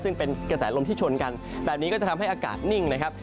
ซึ่งเป็นกระแสลมที่ชนกันแบบนี้ก็จะทำให้อากาศนิ่งนะครับ